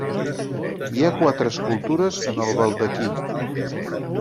Hi ha quatre escultures en el baldaquí.